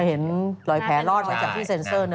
เห็นรอยแผลรอดมาจากที่เซ็นเซอร์นะ